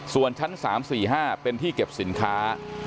ส่วนชั้น๓๔๕เป็นที่เก็บสินค้า